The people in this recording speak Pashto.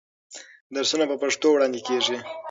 درسونه په پښتو وړاندې کېږي.